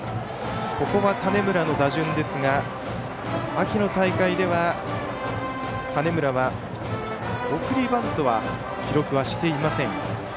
ここは種村の打順ですが秋の大会では種村は送りバントは記録はしていません。